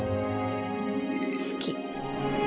好き。